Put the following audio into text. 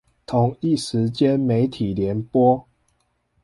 同一時間媒體聯播